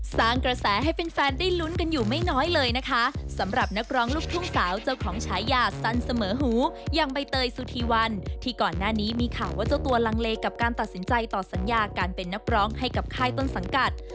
สร้างกระแสให้แฟนแฟนได้ลุ้นกันอยู่ไม่น้อยเลยนะคะสำหรับนักร้องลูกทุ่งสาวเจ้าของฉายาสั้นเสมอหูอย่างใบเตยสุธีวันที่ก่อนหน้านี้มีข่าวว่าเจ้าตัวลังเลกับการตัดสินใจต่อสัญญาการเป็นนักร้องให้กับค่ายต้นสังกัด